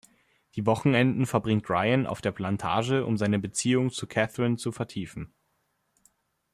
Die Wochenenden verbringt Rian auf der Plantage, um seine Beziehung zu Catherine zu vertiefen.